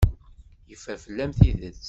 Yeffer fell-am tidet.